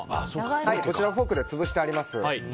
こちらはフォークで潰してあります。